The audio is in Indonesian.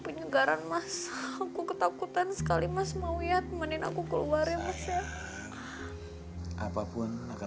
penyegaran mas aku ketakutan sekali mas mau ya temenin aku keluar ya mas ya apapun akan